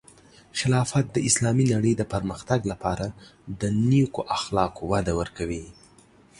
خلافت د اسلامی نړۍ د پرمختګ لپاره د نیکو اخلاقو وده ورکوي.